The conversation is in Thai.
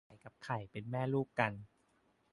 ไก่กับไข่เป็นแม่ลูกกัน